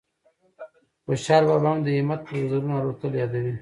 خوشال بابا هم د همت په وزرونو الوتل یادوي